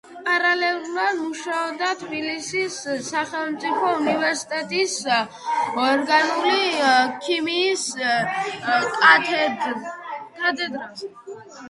პარალელურად მუშაობდა თბილისის სახელმწიფო უნივერსიტეტის ორგანული ქიმიის კათედრაზე.